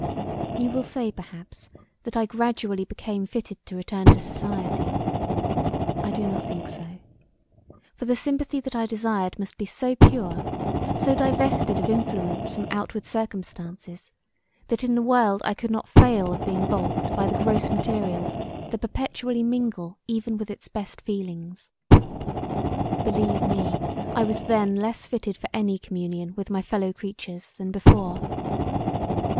You will say perhaps that I gradually became fitted to return to society. I do not think so. For the sympathy that I desired must be so pure, so divested of influence from outward circumstances that in the world I could not fail of being balked by the gross materials that perpetually mingle even with its best feelings. Believe me, I was then less fitted for any communion with my fellow creatures than before.